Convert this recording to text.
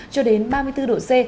cho đến ba mươi bốn độ c